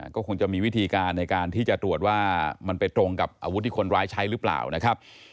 ก็คงจะมีวิธีการในการที่จะตรวจว่ามันไปตรงกับอาวุธที่คนร้ายใช้หรือเปล่านะครับ